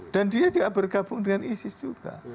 dan dia juga bergabung dengan isis juga